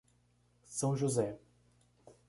São José